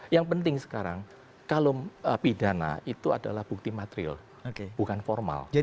yang penting sekarang kalau pidana itu adalah bukti material bukan formal